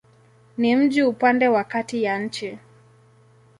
Ni mji upande wa kati ya nchi.